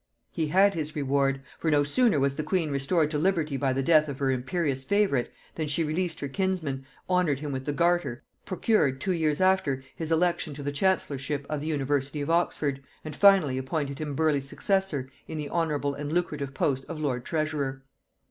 He had his reward; for no sooner was the queen restored to liberty by the death of her imperious favorite, than she released her kinsman, honored him with the garter, procured, two years after, his election to the chancellorship of the university of Oxford, and finally appointed him Burleigh's successor in the honorable and lucrative post of lord treasurer.